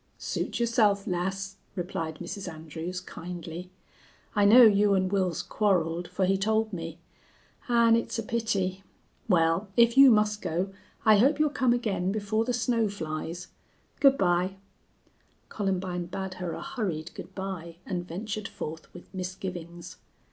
"Suit yourself, lass," replied Mrs. Andrews, kindly. "I know you and Wils quarreled, for he told me. An' it's a pity.... Wal, if you must go, I hope you'll come again before the snow flies. Good by." Columbine bade her a hurried good by and ventured forth with misgivings.